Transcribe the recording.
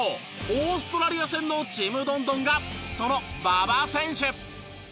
オーストラリア戦のちむどんどんがその馬場選手。